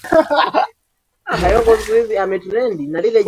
sababu kwa msingi haki za binadamu